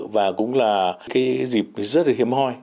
và cũng là dịp rất hiếm hoi